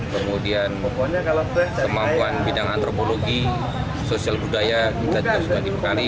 kemudian kemampuan bidang antropologi sosial budaya kita juga sudah dibekali